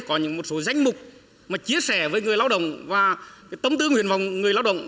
có những một số danh mục mà chia sẻ với người lao động và tấm tư nguyện vọng người lao động